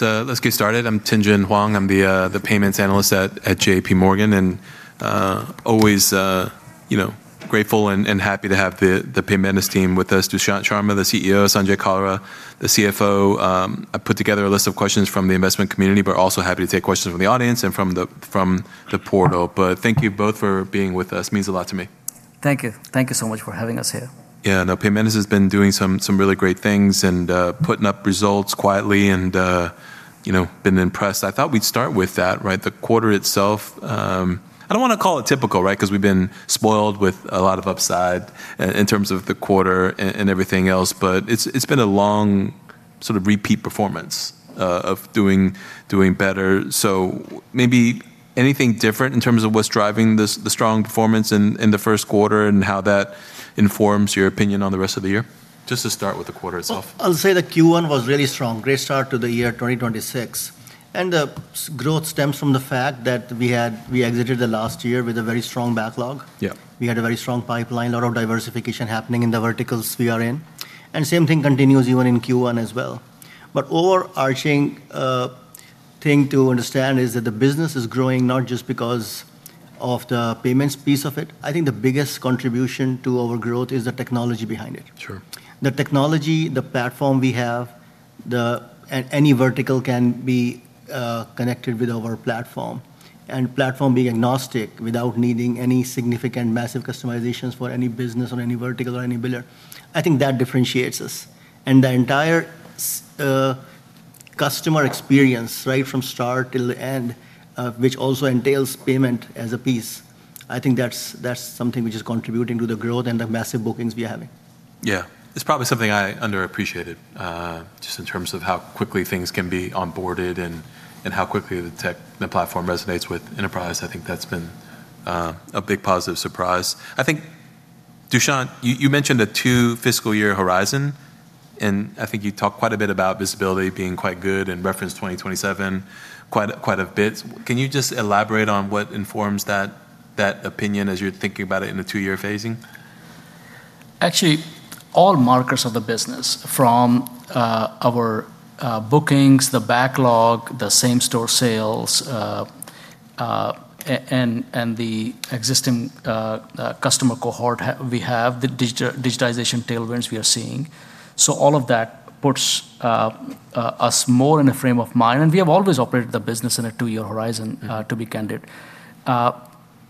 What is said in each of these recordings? Let's get started. I'm Tien-Tsin Huang. I'm the payments analyst at JP Morgan and always, you know, grateful and happy to have the Paymentus team with us. Dushyant Sharma, the CEO, Sanjay Kalra, the CFO. I put together a list of questions from the investment community, but also happy to take questions from the audience and from the portal. Thank you both for being with us, means a lot to me. Thank you. Thank you so much for having us here. Yeah, no, Paymentus has been doing some really great things and putting up results quietly and, you know, been impressed. I thought we'd start with that, right? The quarter itself, I don't wanna call it typical, right? Because we've been spoiled with a lot of upside in terms of the quarter and everything else, but it's been a long sort of repeat performance of doing better. Maybe anything different in terms of what's driving this, the strong performance in the first quarter and how that informs your opinion on the rest of the year? Just to start with the quarter itself. Well, I'll say that Q1 was really strong, great start to the year 2025. The growth stems from the fact that we exited last year with a very strong backlog. Yeah. We had a very strong pipeline, a lot of diversification happening in the verticals we are in. Same thing continues even in Q1 as well. Overarching thing to understand is that the business is growing not just because of the payments piece of it. The biggest contribution to our growth is the technology behind it. Sure. The technology, the platform we have, the any vertical can be connected with our platform. Platform being agnostic without needing any significant massive customizations for any business or any vertical or any biller, I think that differentiates us. The entire customer experience, right from start till the end, which also entails payment as a piece, I think that's something which is contributing to the growth and the massive bookings we are having. Yeah. It's probably something I underappreciated, just in terms of how quickly things can be onboarded and how quickly the tech, the platform resonates with enterprise. I think that's been a big positive surprise. I think, Dushyant, you mentioned a two fiscal year horizon, and I think you talked quite a bit about visibility being quite good and referenced 2027 quite a bit. Can you just elaborate on what informs that opinion as you're thinking about it in a two-year phasing? Actually, all markers of the business from our bookings, the backlog, the same-store sales, and the existing customer cohort we have, the digitization tailwinds we are seeing. All of that puts us more in a frame of mind, and we have always operated the business in a two-year horizon to be candid.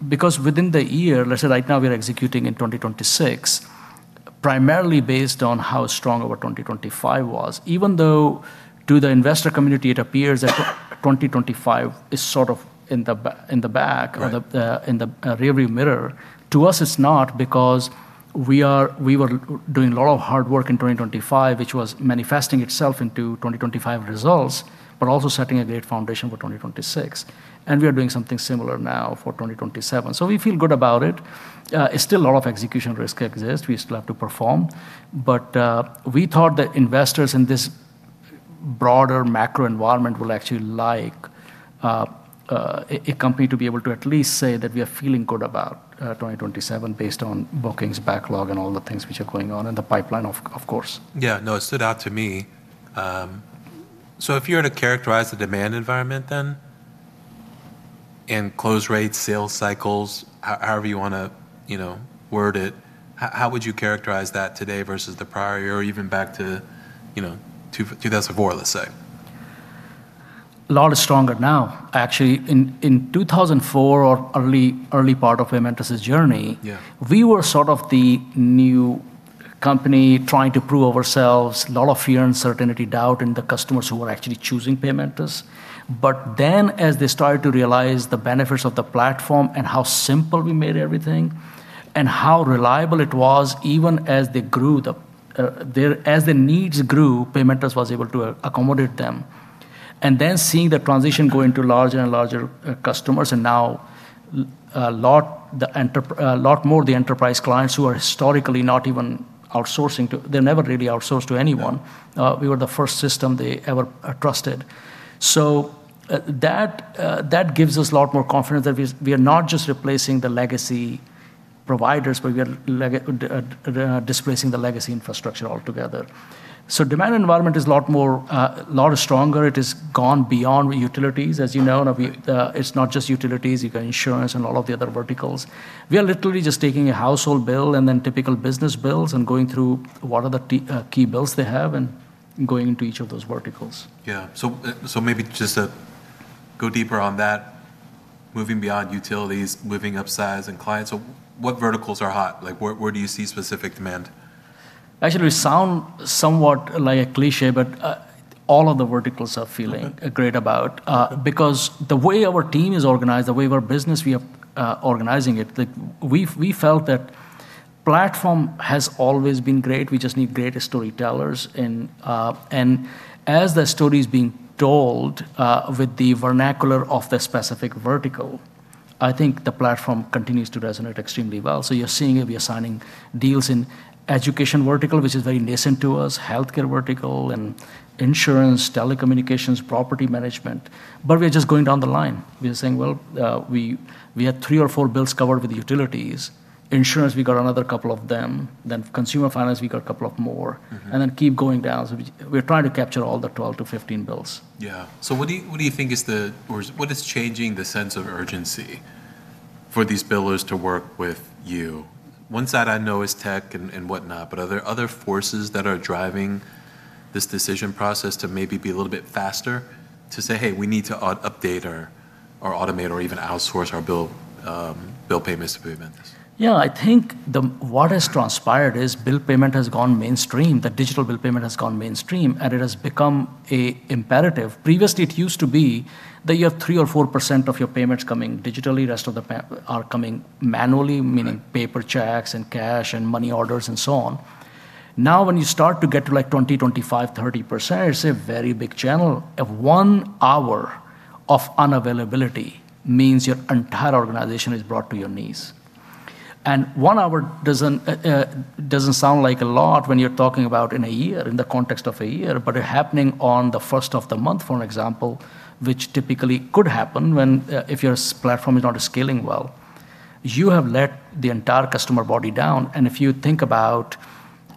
Because within the year, let's say right now we are executing in 2026, primarily based on how strong our 2025 was even though to the investor community it appears that 2025 is sort of in the back. Right. Or the, in the rearview mirror, to us it's not because we were doing a lot of hard work in 2025, which was manifesting itself into 2025 results, but also setting a great foundation for 2026, and we are doing something similar now for 2027, we feel good about it. It's still a lot of execution risk exists, we still have to perform. We thought that investors in this broader macro environment will actually like a company to be able to at least say that we are feeling good about 2027 based on bookings, backlog, and all the things which are going on in the pipeline of course. Yeah, no, it stood out to me. If you were to characterize the demand environment then, and close rates, sales cycles, however you wanna, you know, word it, how would you characterize that today versus the prior year or even back to, you know, 2024, let's say? A lot stronger now. Actually, in 2024 or early part of Paymentus's journey. Yeah. We were sort of the new company trying to prove ourselves, a lot of fear, uncertainty, doubt in the customers who were actually choosing Paymentus. As they started to realize the benefits of the platform and how simple we made everything and how reliable it was, even as the needs grew, Paymentus was able to accommodate them. Seeing the transition going to larger and larger customers, and now a lot more the enterprise clients who are historically not even outsourcing to. They never really outsourced to anyone. Yeah. We were the first system they ever trusted. That gives us a lot more confidence that we are not just replacing the legacy providers, but we are displacing the legacy infrastructure altogether. Demand environment is a lot more, a lot stronger. It has gone beyond utilities, as you know, now, it's not just utilities. You've got insurance and all of the other verticals. We are literally just taking a household bill and then typical business bills and going through what are the key bills they have and going into each of those verticals. Yeah. Maybe just go deeper on that. Moving beyond utilities, moving upsize in clients, what verticals are hot? Where do you see specific demand? Actually sound somewhat like a cliché, but, all of the verticals are feeling. Okay. Great about because the way our team is organized, the way our business we are organizing it, we felt that platform has always been great. We just need greater storytellers and as the story's being told with the vernacular of the specific vertical, I think the platform continues to resonate extremely well. You're seeing it, we are signing deals in education vertical, which is very nascent to us, healthcare vertical and insurance, telecommunications, property management. We are just going down the line. We are saying, well, we had three or four bills covered with utilities Insurance, we got another couple of them. Consumer finance, we got a couple of more. Then keep going down. We're trying to capture all the 12-15 bills. Yeah. What do you think is changing the sense of urgency for these billers to work with you? One side I know is tech and whatnot, but are there other forces that are driving this decision process to maybe be a little bit faster to say, "Hey, we need to update or automate or even outsource our bill payments to Paymentus? Yeah, I think what has transpired is bill payment has gone mainstream. Digital bill payment has gone mainstream, and it has become an imperative. Previously, it used to be that you have 3% or 4% of your payments coming digitally. Rest of the are coming manually. Right. Meaning paper checks and cash and money orders and so on. When you start to get to like 20%, 25%, 30%, it's a very big channel. If one hour of unavailability means your entire organization is brought to your knees. One hour doesn't sound like a lot when you're talking about in a year, in the context of a year, but it happening on the first of the month, for an example, which typically could happen when your platform is not scaling well. You have let the entire customer body down and if you think about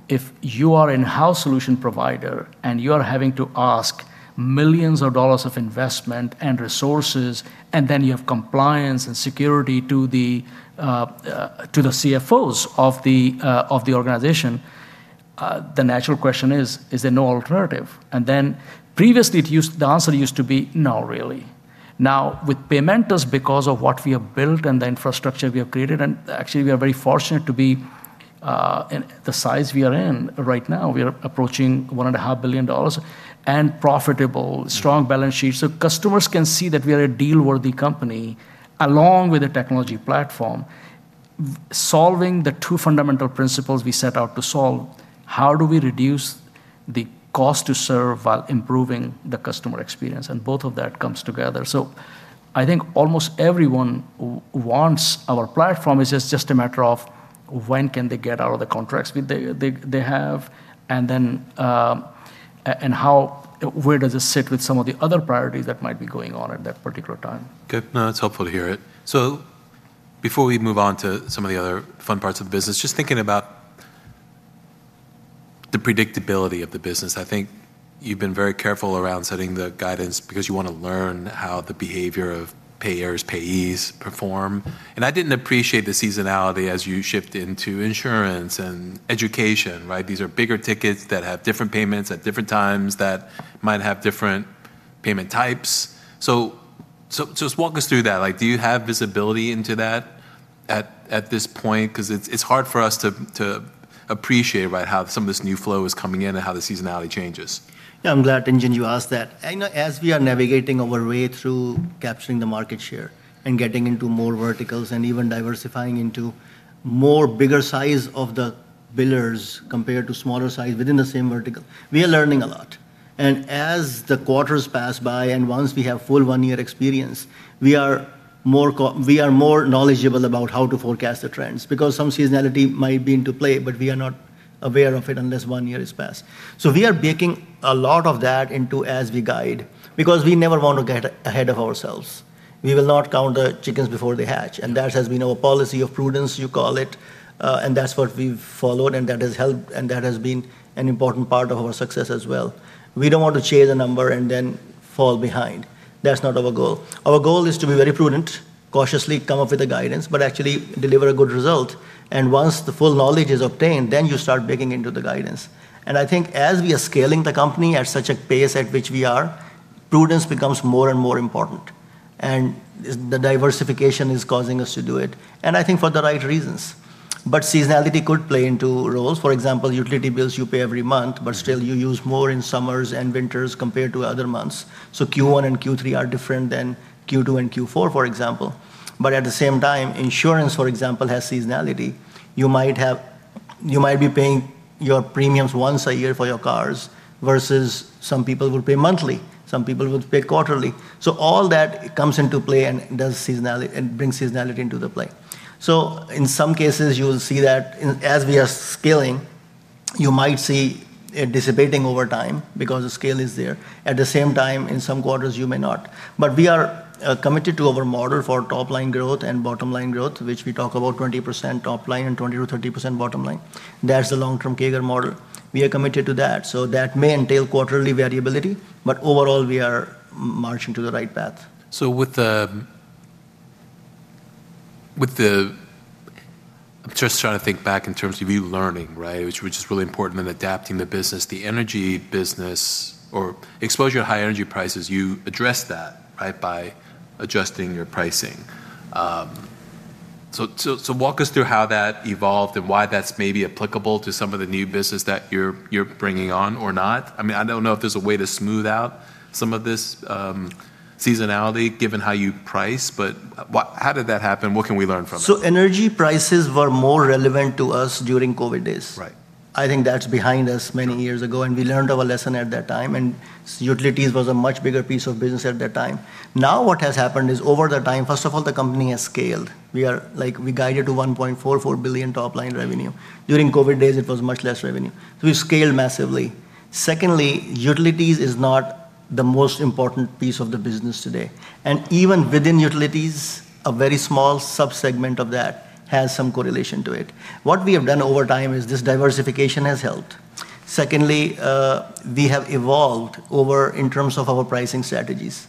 if you are in-house solution provider and you are having to ask millions of dollars of investment and resources, and then you have compliance and security to the CFOs of the organization, the natural question is there no alternative? Previously, the answer used to be no, really. Now, with Paymentus, because of what we have built and the infrastructure we have created, and actually we are very fortunate to be in the size we are in right now. We are approaching $1.5 Billeon and profitable strong balance sheet. Customers can see that we are a deal worthy company along with a technology platform. Solving the two fundamental principles we set out to solve, how do we reduce the cost to serve while improving the customer experience? Both of that comes together. I think almost everyone wants our platform, it's just a matter of when can they get out of the contracts with they have and then and how, where does it sit with some of the other priorities that might be going on at that particular time. Good. No, that's helpful to hear it. Before we move on to some of the other fun parts of the business, just thinking about the predictability of the business, I think you've been very careful around setting the guidance because you wanna learn how the behavior of payers, payees perform. I didn't appreciate the seasonality as you shift into insurance and education, right? These are bigger tickets that have different payments at different times that might have different payment types. Just walk us through that. Like, do you have visibility into that at this point? Because it's hard for us to appreciate, right, how some of this new flow is coming in and how the seasonality changes. Yeah, I'm glad, Tien-Tsin, you asked that. I know as we are navigating our way through capturing the market share and getting into more verticals and even diversifying into more bigger size of the billers compared to smaller size within the same vertical, we are learning a lot. As the quarters pass by and once we have full one year experience, we are more knowledgeable about how to forecast the trends because some seasonality might be into play, but we are not aware of it unless one year has passed. We are baking a lot of that into as we guide because we never want to get ahead of ourselves. We will not count the chickens before they hatch and that has been our policy of prudence you call it, and that's what we've followed and that has helped and that has been an important part of our success as well. We don't want to chase a number and then fall behind. That's not our goal. Our goal is to be very prudent, cautiously come up with a guidance, but actually deliver a good result and once the full knowledge is obtained, then you start baking into the guidance. I think as we are scaling the company at such a pace at which we are, prudence becomes more and more important and the diversification is causing us to do it and I think for the right reasons. Seasonality could play into roles. For example, utility bills you pay every month. Still you use more in summers and winters compared to other months. Q1 and Q3 are different than Q2 and Q4, for example. At the same time, insurance for example has seasonality. You might be paying your premiums once a year for your cars versus some people will pay monthly, some people will pay quarterly. All that comes into play and does seasonality and brings seasonality into the play. In some cases you will see that as we are scaling you might see it dissipating over time because the scale is there. At the same time in some quarters you may not, but we are committed to our model for top line growth and bottom line growth which we talk about 20% top line and 20% or 30% bottom line. That's the long term CAGR model, we are committed to that so that may entail quarterly variability but overall we are marching to the right path. With the I'm just trying to think back in terms of you learning, right? Which is really important in adapting the business. The energy business or exposure to high energy prices, you address that right by adjusting your pricing. Walk us through how that evolved and why that's maybe applicable to some of the new business that you're bringing on or not. I mean, I don't know if there's a way to smooth out some of this seasonality given how you price, but what, how did that happen? What can we learn from it? Energy prices were more relevant to us during COVID days. Right. I think that's behind us many years ago and we learned our lesson at that time and utilities was a much bigger piece of business at that time. What has happened is over time, first of all the company has scaled. We are, like we guided to $1.44 Billeon top line revenue. During COVID days it was much less revenue. We scaled massively. Secondly, utilities is not the most important piece of the business today. Even within utilities, a very small sub-segment of that has some correlation to it. What we have done over time is this diversification has helped. Secondly, we have evolved over in terms of our pricing strategies.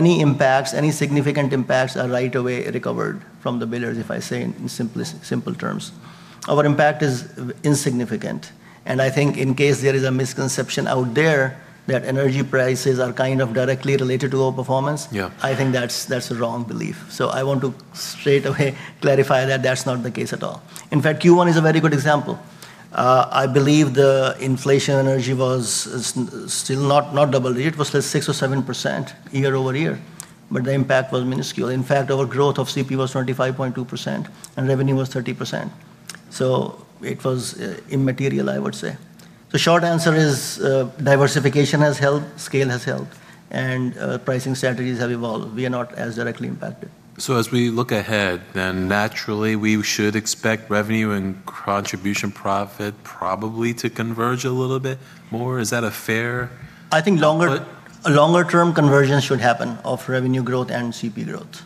Any impacts, any significant impacts are right away recovered from the billers, if I say in simplest, simple terms. Our impact is insignificant. I think in case there is a misconception out there that energy prices are kind of directly related to our performance. Yeah. I think that's a wrong belief. I want to straight away clarify that that's not the case at all. In fact, Q1 is a very good example. I believe the energy inflation was, is still not double digit. It was 6% or 7% year-over-year, but the impact was minuscule. In fact, our growth of CP was 25.2% and revenue was 30%. It was immaterial I would say. The short answer is diversification has helped, scale has helped, and pricing strategies have evolved. We are not as directly impacted. As we look ahead then, naturally we should expect revenue and contribution profit probably to converge a little bit more. Is that a fair? I think longer, a longer term conversion should happen of revenue growth and CP growth.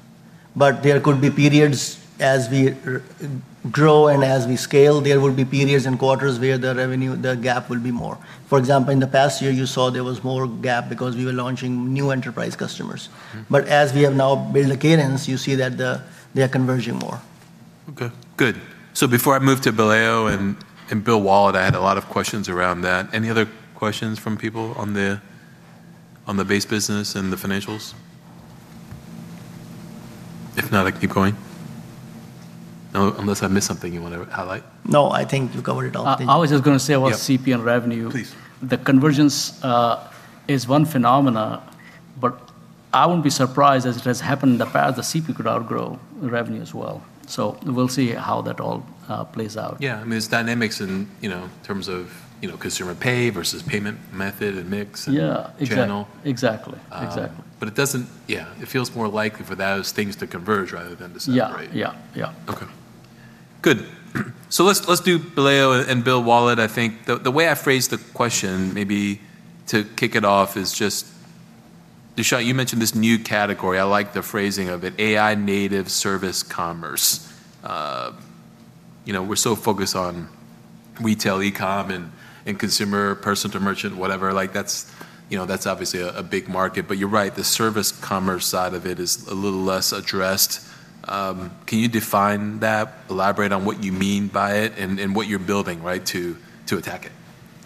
There could be periods as we grow and as we scale, there will be periods and quarters where the revenue, the gap will be more. For example, in 2024 you saw there was more gap because we were launching new enterprise customers. As we have now built cadence, you see that they are converging more. Okay, good. Before I move to Billeo and BillWallet, I had a lot of questions around that. Any other questions from people on the base business and the financials? If not, I can keep going. No, unless I missed something you wanna highlight. No, I think you covered it all. Thank you. I was just gonna say about CP and revenue. Yeah, please. The convergence is one phenomena, I won't be surprised as it has happened in the past, the CP could outgrow revenue as well. We'll see how that all plays out. Yeah, I mean, it's dynamics in, you know, terms of, you know, consumer pay versus payment method and mix. Yeah. Channel. Exactly, exactly. It feels more likely for those things to converge rather than to separate. Yeah. Yeah. Yeah. Okay. Good. Let's do Billeo and BillWallet. I think the way I phrased the question maybe to kick it off is, Dushyant, you mentioned this new category. I like the phrasing of it, AI-native Service Commerce, you know, we're so focused on retail, e-com and consumer, person to merchant, whatever, like that's, you know, that's obviously a big market, but you're right, the service commerce side of it is a little less addressed. Can you define that, elaborate on what you mean by it and what you're building, right, to attack it?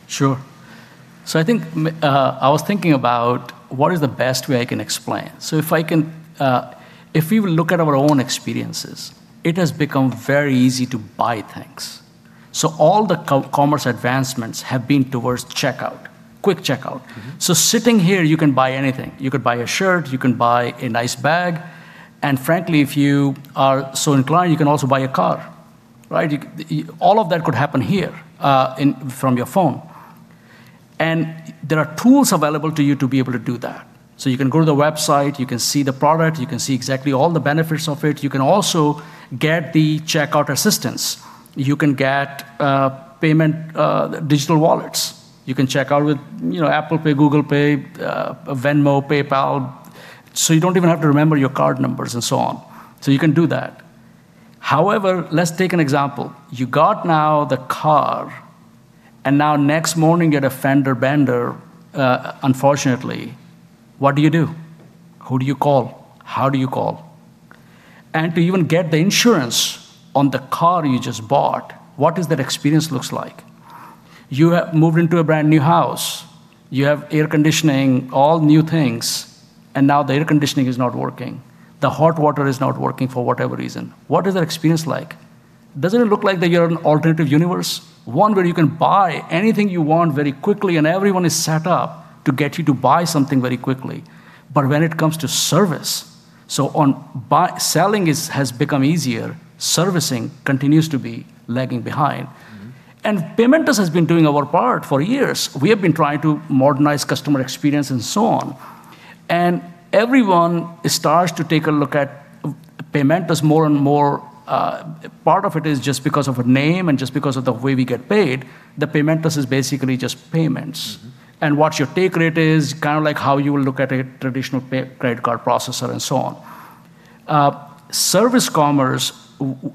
Sure. I think I was thinking about what is the best way I can explain. If I can, if we will look at our own experiences, it has become very easy to buy things. All the commerce advancements have been towards checkout, quick checkout. Sitting here, you can buy anything. You could buy a shirt, you can buy a nice bag, and frankly if you are so inclined, you can also buy a car, right? You, all of that could happen here, from your phone, and there are tools available to you to be able to do that. You can go to the website, you can see the product, you can see exactly all the benefits of it. You can also get the checkout assistance. You can get payment digital wallets. You can check out with, you know, Apple Pay, Google Pay, Venmo, PayPal, so you don't even have to remember your card numbers and so on. You can do that. However, let's take an example. You got now the car and now next morning get a fender bender, unfortunately. What do you do? Who do you call? How do you call? To even get the insurance on the car you just bought, what does that experience look like? You have moved into a brand-new house. You have air conditioning, all new things, and now the air conditioning is not working. The hot water is not working for whatever reason. What is that experience like? Doesn't it look like that you're in an alternative universe, one where you can buy anything you want very quickly and everyone is set up to get you to buy something very quickly? When it comes to service, selling has become easier. Servicing continues to be lagging behind. Paymentus has been doing our part for years. We have been trying to modernize customer experience and so on, and everyone starts to take a look at Paymentus more and more. Part of it is just because of a name and just because of the way we get paid that Paymentus is basically just payments. What your take rate is, kind of like how you will look at a traditional pay, credit card processor and so on. Service commerce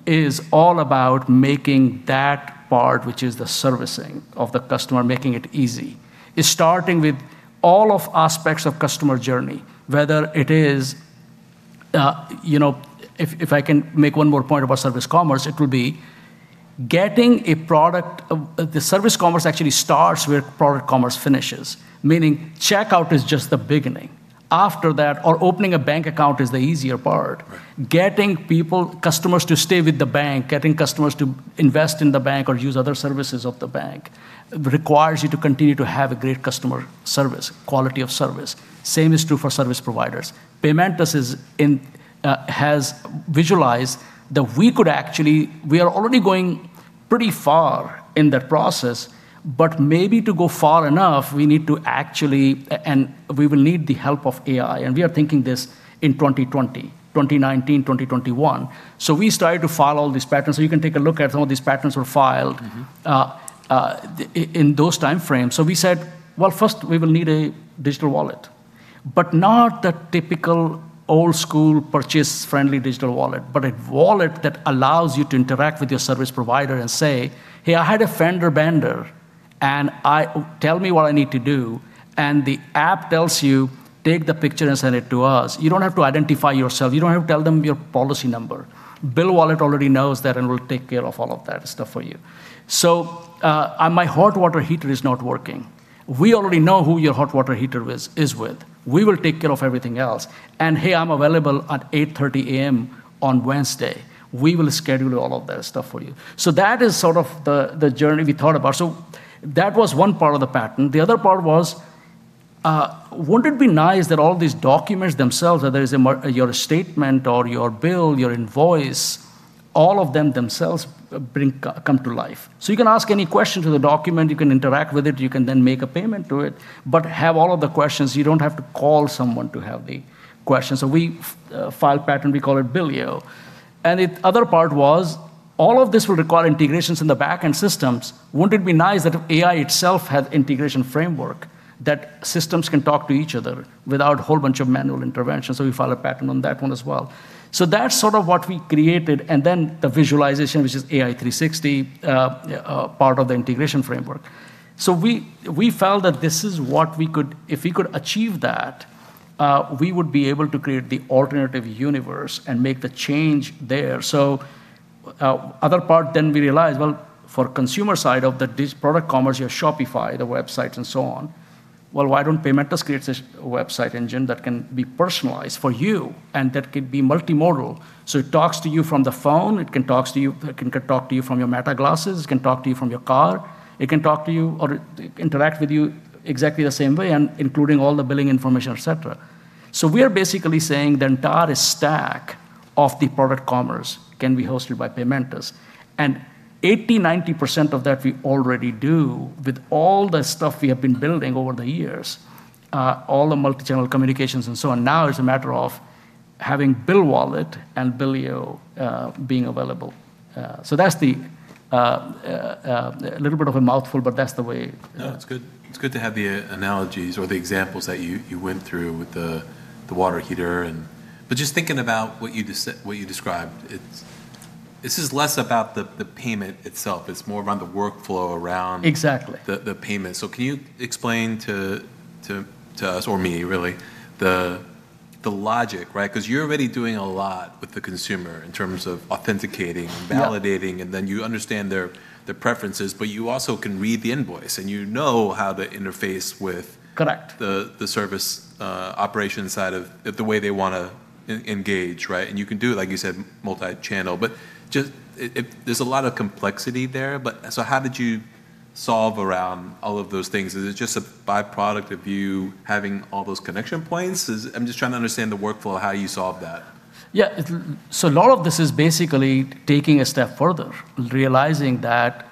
is all about making that part, which is the servicing of the customer, making it easy. It's starting with all of aspects of customer journey, whether it is, you know. If I can make one more point about service commerce, the service commerce actually starts where product commerce finishes, meaning checkout is just the beginning. After that opening a bank account is the easier part. Right. Getting people, customers to stay with the bank, getting customers to invest in the bank or use other services of the bank requires you to continue to have a great customer service, quality of service. Same is true for service providers. Paymentus has visualized that we are already going pretty far in that process, but maybe to go far enough, we need to actually, and we will need the help of AI, and we are thinking this in 2020, 2019, 2021. We started to file all these patents so you can take a look at all these patents were filed. In those timeframes. We said, "Well, first we will need a digital wallet." Not the typical old school purchase-friendly digital wallet, but a wallet that allows you to interact with your service provider and say, "Hey, I had a fender bender, and I Tell me what I need to do." The app tells you, "Take the picture and send it to us." You don't have to identify yourself. You don't have to tell them your policy number. BillWallet already knows that and will take care of all of that stuff for you. "My hot water heater is not working." We already know who your hot water heater is with. We will take care of everything else. "Hey, I'm available at 8:30 A.M. on Wednesday." We will schedule all of that stuff for you. That is sort of the journey we thought about. That was one part of the patent. The other part was, wouldn't it be nice that all these documents themselves, whether it's your statement or your bill, your invoice, all of them themselves come to life. You can ask any question to the document, you can interact with it, you can then make a payment to it, but have all of the questions. You don't have to call someone to have the questions we filed patent, we call it Billeo. The other part was all of this will require integrations in the backend systems, wouldn't it be nice that AI itself had integration framework that systems can talk to each other without a whole bunch of manual intervention? We filed a patent on that one as well. That's sort of what we created, and then the visualization, which is AI360, part of the integration framework. We felt that this is what we could achieve that, we would be able to create the alternative universe and make the change there. Other part then we realized, well, for consumer side of that this product commerce, your Shopify, the websites and so on, why don't Paymentus create a website engine that can be personalized for you and that could be multimodal. It talks to you from the phone, it can talks to you, it can talk to you from your Meta glasses, it can talk to you from your car, it can talk to you or interact with you exactly the same way and including all the billing information, et cetera. We are basically saying the entire stack of the product commerce can be hosted by Paymentus. 80%-90% of that we already do with all the stuff we have been building over the years, all the multi-channel communications and so on. It's a matter of having BillWallet and Billeo being available. That's the little bit of a mouthful, but that's the way. No, it's good. It's good to have the analogies or the examples that you went through with the water heater and just thinking about what you described, this is less about the payment itself. It's more around the workflow around. Exactly. The payment. Can you explain to us, or me really, the logic, right? Because you're already doing a lot with the consumer in terms of authenticating and validating. Yeah. Then you understand their preferences, but you also can read the invoice, and you know how to interface with. Correct. The service operation side of the way they wanna engage, right? You can do it, like you said, multi-channel. Just, it, there's a lot of complexity there. How did you solve around all of those things? Is it just a byproduct of you having all those connection points? I'm just trying to understand the workflow of how you solve that. Yeah. A lot of this is basically taking a step further, realizing that,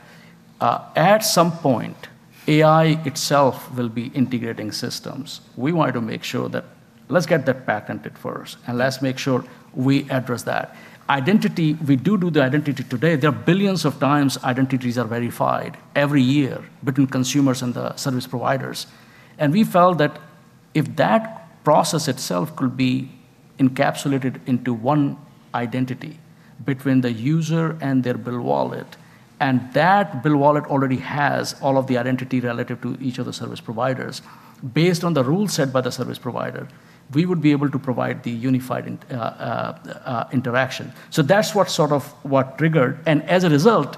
at some point, AI itself will be integrating systems. We wanted to make sure that, let's get that patented first, and let's make sure we address that. Identity, we do the identity today. There are Billeons of times identities are verified every year between consumers and the service providers. We felt that if that process itself could be encapsulated into one identity between the user and their BillWallet, and that BillWallet already has all of the identity relative to each of the service providers, based on the rules set by the service provider, we would be able to provide the unified interaction. That's what sort of triggered. As a result,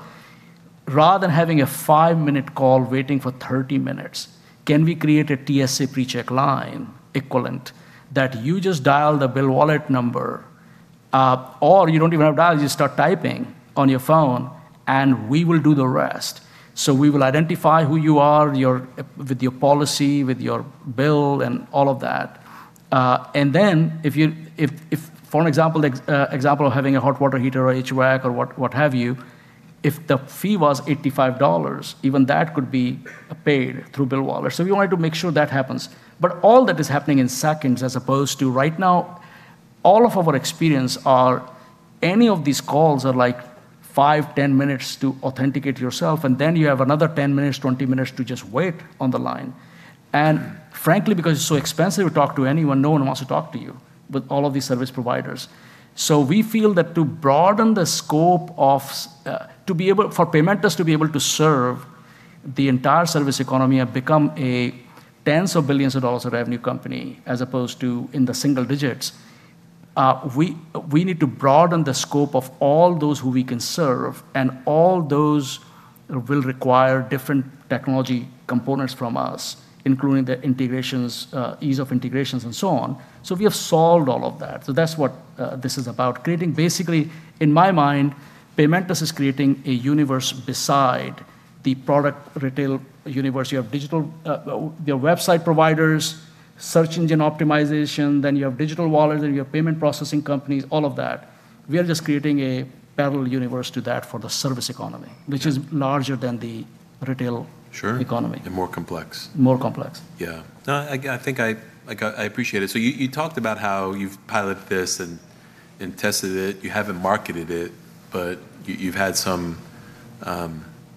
rather than having a five-minute call waiting for 30 minutes, can we create a TSA pre-check line equivalent that you just dial the BillWallet number, or you don't even have dial, you start typing on your phone, and we will do the rest. We will identify who you are, with your policy, with your bill, and all of that. Then if you, if for an example of having a hot water heater or HVAC or what have you, if the fee was $85, even that could be paid through BillWallet. We wanted to make sure that happens. All that is happening in seconds as opposed to right now, all of our experience are any of these calls are like 5, 10 minutes to authenticate yourself, and then you have another 10 minutes, 20 minutes to just wait on the line. Frankly, because it's so expensive to talk to anyone, no one wants to talk to you with all of these service providers. We feel that to broaden the scope of to be able, for Paymentus to be able to serve the entire service economy and become a tens of Billeons of dollars of revenue company as opposed to in the single digits, we need to broaden the scope of all those who we can serve, and all those will require different technology components from us, including the integrations, ease of integrations and so on. We have solved all of that. That's what this is about. Creating basically, in my mind, Paymentus is creating a universe beside the product retail universe. You have digital, your website providers, search engine optimization, then you have digital wallets, and you have payment processing companies, all of that. We are just creating a parallel universe to that for the service economy, which is larger than the retail. Sure. Economy. More complex. More complex. Yeah. No, I think I, like I appreciate it. You talked about how you've piloted this and tested it. You haven't marketed it, but you've had some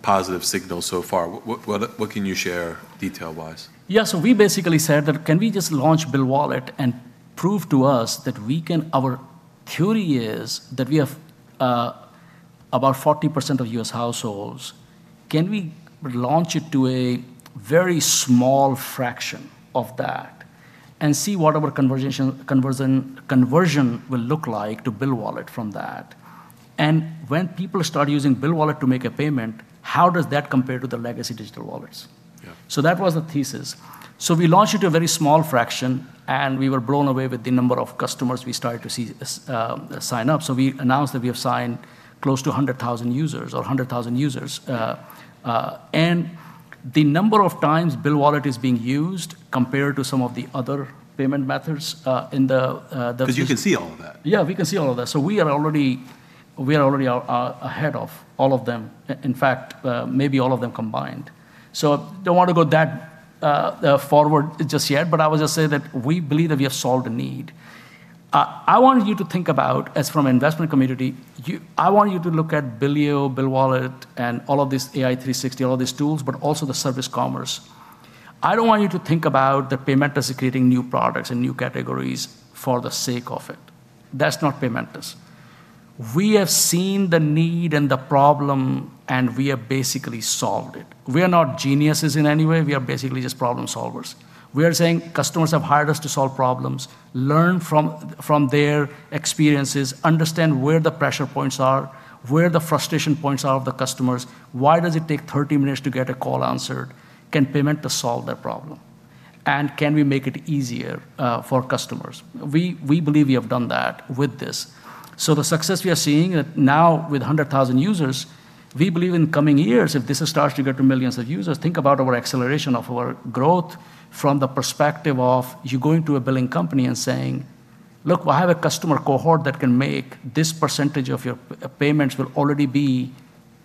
positive signals so far. What can you share detail-wise? We basically said that, can we just launch BillWallet and prove to us that we can? Our theory is that we have about 40% of U.S. households. Can we launch it to a very small fraction of that and see what our conversion will look like to BillWallet from that? When people start using BillWallet to make a payment, how does that compare to the legacy digital wallets? Yeah. That was the thesis. We launched it to a very small fraction, and we were blown away with the number of customers we started to see sign up. We announced that we have signed close to 100,000 users. The number of times BillWallet is being used compared to some of the other payment methods. Because you can see all of that. Yeah, we can see all of that. We are already ahead of all of them. In fact, maybe all of them combined. Don't wanna go that forward just yet, but I would just say that we believe that we have solved a need. I want you to think about, as from investment community, you I want you to look at Billeo, BillWallet, and all of these AI360, all of these tools, but also the service commerce. I don't want you to think about the Paymentus creating new products and new categories for the sake of it. That's not Paymentus. We have seen the need and the problem, and we have basically solved it. We are not geniuses in any way, we are basically just problem solvers. We are saying customers have hired us to solve problems, learn from their experiences, understand where the pressure points are, where the frustration points are of the customers. Why does it take 30 minutes to get a call answered? Can Paymentus solve that problem? Can we make it easier for customers? We believe we have done that with this. The success we are seeing now with 100,000 users, we believe in coming years, if this starts to get to millions of users, think about our acceleration of our growth from the perspective of you going to a billing company and saying, "Look, I have a customer cohort that can make this percentage of your payments will already be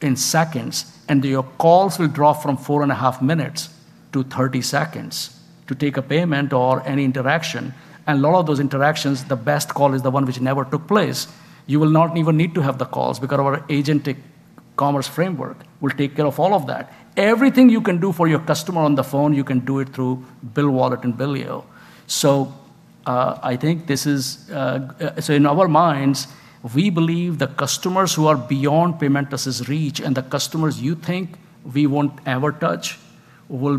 in seconds, and your calls will drop from 4.5 minutes to 30 seconds to take a payment or any interaction." A lot of those interactions, the best call is the one which never took place. You will not even need to have the calls because our agentic commerce framework will take care of all of that. Everything you can do for your customer on the phone, you can do it through BillWallet and Billeo. In our minds, we believe the customers who are beyond Paymentus' reach and the customers you think we won't ever touch will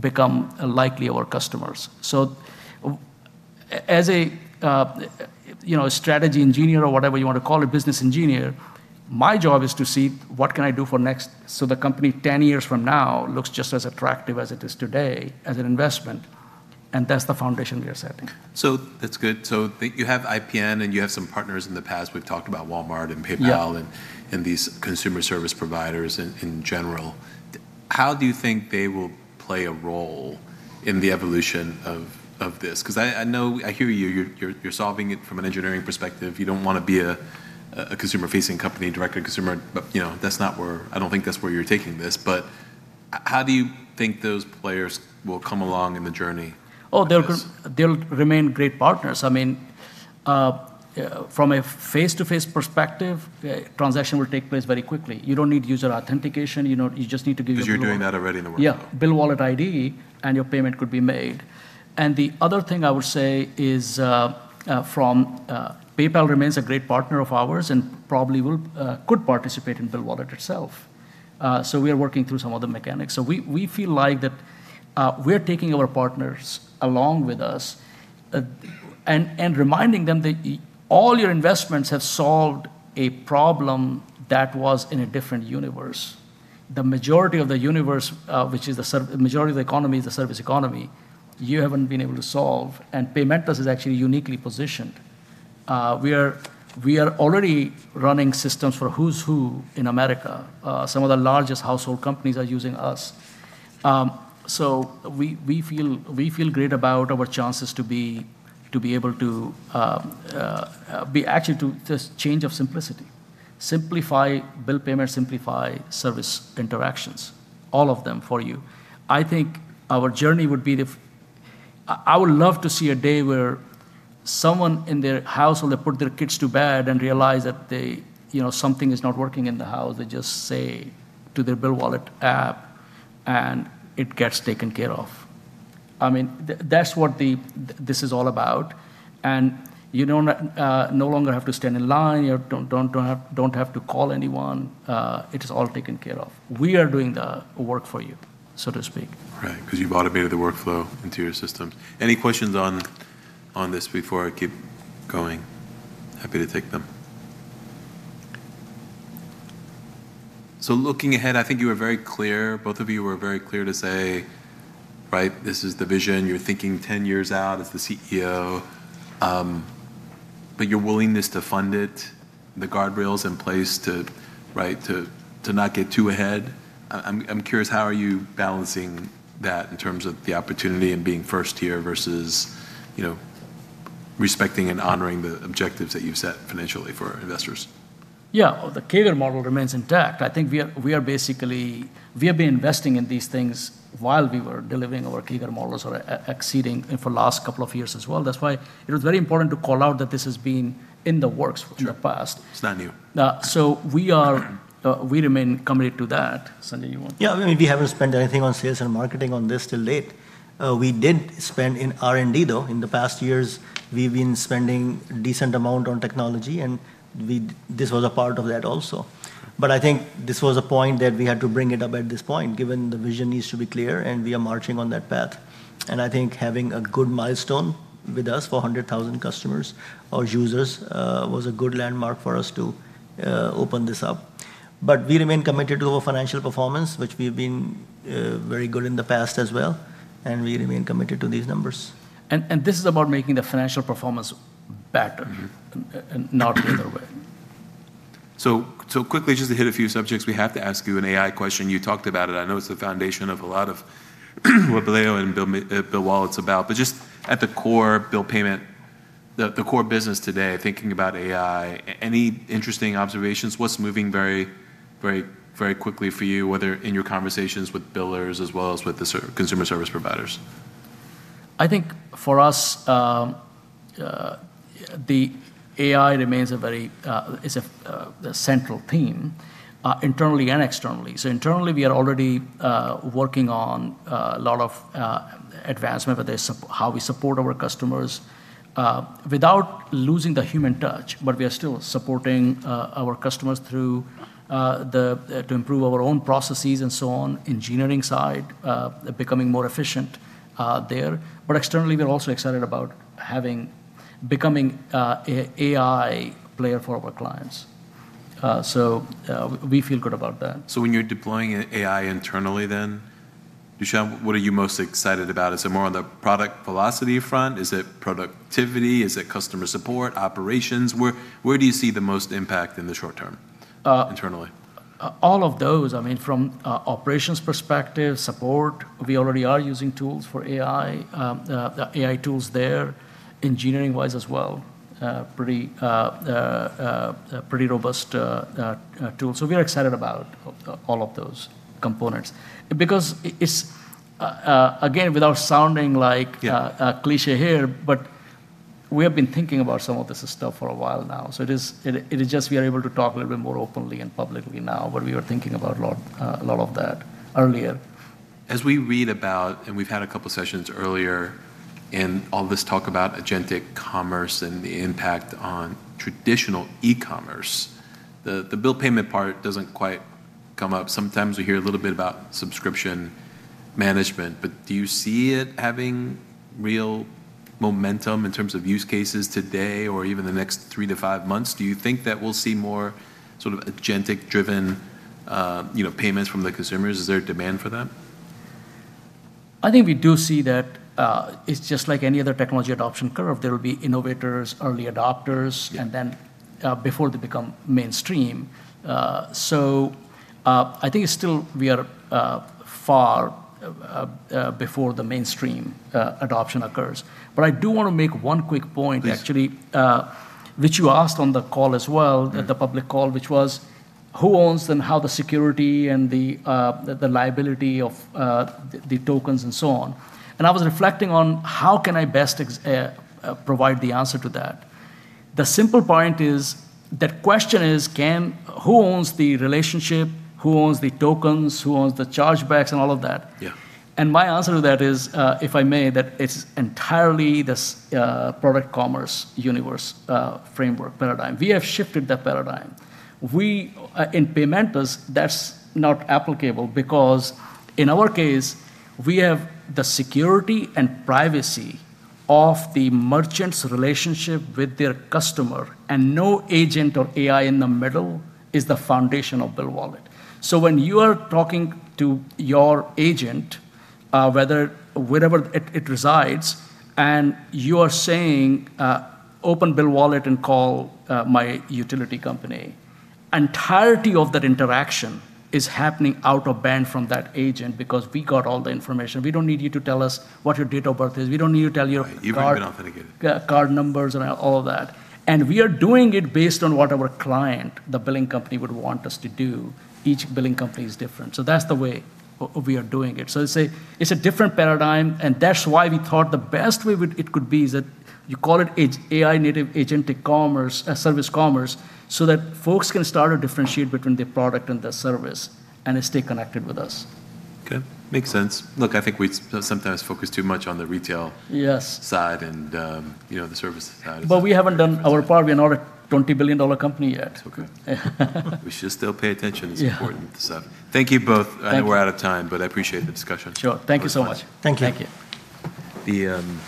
become likely our customers. As a, you know, a strategy engineer or whatever you wanna call it, business engineer, my job is to see what can I do for next so the company 10 years from now looks just as attractive as it is today as an investment, and that's the foundation we are setting. That's good. You have IPN, and you have some partners in the past. We've talked about Walmart and PayPal. Yeah. These consumer service providers in general. How do you think they will play a role in the evolution of this? Because I know, I hear you. You're solving it from an engineering perspective. You don't wanna be a consumer-facing company, direct to consumer, you know, that's not where, I don't think that's where you're taking this. How do you think those players will come along in the journey like this? Oh, they'll remain great partners. I mean, from a face-to-face perspective, a transaction will take place very quickly. You don't need user authentication, you know, you just need to give. You're doing that already in the workflow. Yeah. BillWallet ID, your payment could be made. The other thing I would say is, PayPal remains a great partner of ours and probably will could participate in BillWallet itself. We are working through some of the mechanics. We feel like that we're taking our partners along with us and reminding them that all your investments have solved a problem that was in a different universe. The majority of the universe, which is the majority of the economy is the service economy you haven't been able to solve, and Paymentus is actually uniquely positioned. We are already running systems for who's who in America. Some of the largest household companies are using us. We feel great about our chances to be able to actually to just change of simplicity. Simplify bill payment, simplify service interactions, all of them for you. I think our journey would be I would love to see a day where someone in their household, they put their kids to bed and realize that they, you know, something is not working in the house. They just say to their BillWallet app, it gets taken care of. I mean, that's what this is all about. You no longer have to stand in line, you don't have to call anyone, it is all taken care of. We are doing the work for you, so to speak. Right. Because you've automated the workflow into your systems. Any questions on this before I keep going? Happy to take them. Looking ahead, I think you were very clear. Both of you were very clear to say, right, this is the vision. You're thinking 10 years out as the CEO. Your willingness to fund it, the guardrails in place to not get too ahead. I'm curious, how are you balancing that in terms of the opportunity and being first here versus, you know, respecting and honoring the objectives that you've set financially for investors. Yeah. The CAGR model remains intact. I think we are basically We have been investing in these things while we were delivering our CAGR models or exceeding it for last couple of years as well. That's why it was very important to call out that this has been in the works for the past. Sure. It's not new. We are, we remain committed to that. Sanjay, you want. Yeah, I mean, we haven't spent anything on sales and marketing on this till date. We did spend in R&D though. In the past years we've been spending decent amount on technology. This was a part of that also. I think this was a point that we had to bring it up at this point, given the vision needs to be clear and we are marching on that path. I think having a good milestone with us, for 100,000 customers or users, was a good landmark for us to open this up. We remain committed to our financial performance, which we've been very good in the past as well, and we remain committed to these numbers. This is about making the financial performance better. Not the other way. quickly, just to hit a few subjects, we have to ask you an AI question. You talked about it. I know it's the foundation of a lot of what Billeo and BillWallet's about just at the core bill payment, the core business today, thinking about AI, any interesting observations? What's moving very quickly for you, whether in your conversations with billers as well as with the consumer service providers? I think for us, the AI remains a central theme internally and externally. Internally we are already working on a lot of advancement with how we support our customers without losing the human touch. We are still supporting our customers through to improve our own processes and so on, engineering side, becoming more efficient there. Externally, we're also excited about becoming an AI player for our clients. We feel good about that. When you're deploying AI internally then, Dushyant, what are you most excited about? Is it more on the product velocity front? Is it productivity? Is it customer support, operations? Where do you see the most impact in the short term internally? All of those. I mean, from a operations perspective, support, we already are using tools for AI. AI tools there. Engineering-wise as well, pretty robust tool. We are excited about all of those components and because it is, again, without sounding like a cliché here, but we have been thinking about some of this stuff for a while now. It is just we are able to talk a little bit more openly and publicly now, but we were thinking about a lot, a lot of that earlier. As we read about, and we've had a couple sessions earlier, and all this talk about agentic commerce and the impact on traditional e-commerce, the bill payment part doesn't quite come up. Sometimes we hear a little bit about subscription management. Do you see it having real momentum in terms of use cases today or even the next three to five months? Do you think that we'll see more sort of agentic driven, you know, payments from the consumers? Is there a demand for that? I think we do see that, it's just like any other technology adoption curve. There will be innovators, early adopters. Yeah. Before they become mainstream. I think it's still, we are, far, before the mainstream, adoption occurs. I do want to make one quick point. Actually, which you asked on the call as well at the public call, which was who owns them, how the security and the liability of the tokens and so on. I was reflecting on how can I best provide the answer to that. The simple point is, the question is can who owns the relationship? Who owns the tokens? Who owns the chargebacks and all of that? Yeah. My answer to that is, if I may, that it's entirely this product commerce universe framework paradigm, we have shifted that paradigm. We, in Paymentus, that's not applicable because in our case, we have the security and privacy of the merchant's relationship with their customer, and no agent or AI in the middle is the foundation of BillWallet. When you are talking to your agent, whether wherever it resides, and you are saying, "Open BillWallet and call my utility company." Entirety of that interaction is happening out of band from that agent because we got all the information. We don't need you to tell us what your date of birth is. We don't need you to tell your card. You've already been authenticated. Yeah, card numbers and all of that. We are doing it based on what our client, the billing company, would want us to do. Each billing company is different that's the way we are doing it. It's a, it's a different paradigm, and that's why we thought the best way would, it could be is that you call it it's AI-native agentic commerce, service commerce, so that folks can start to differentiate between the product and the service and stay connected with us. Okay. Makes sense. Look, I think we sometimes focus too much on the retail. Yes. Side and, you know, the service side is. We haven't done our part. We are not a $20 Billeon company yet. Okay. We should still pay attention. Yeah. It's important stuff. Thank you both. Thank you. I know we're out of time, but I appreciate the discussion. Sure. Thank you so much. Thank you. Thank you. The, um.